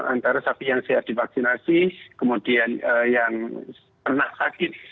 antara sapi yang sehat divaksinasi kemudian yang pernah sakit